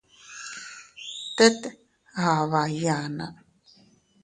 Teet afba iyana.